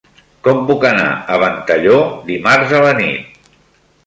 Com puc anar a Ventalló dimarts a la nit?